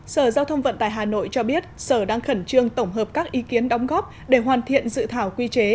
sở giao thông vận tải hà nội cho biết sở đang khẩn trương tổng hợp các ý kiến đóng góp để hoàn thiện dự thảo quy chế